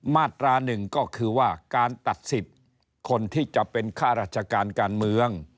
มาตราหนึ่งก็คือว่าการตัดสิทธิ์คนที่จะเป็นข้าราชการการเมือง